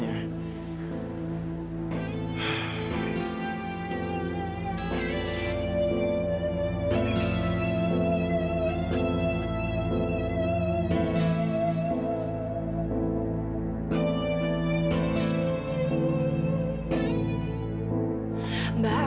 nek ademang grandma